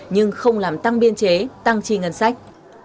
nhưng không làm tăng biên chế tăng trì ngân sách